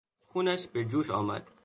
خونش به جوش آمد.